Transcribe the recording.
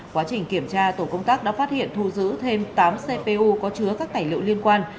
quá trình kiểm tra tổ công tác đã phát hiện thu giữ thêm tám cpu có chứa các tài liệu liên quan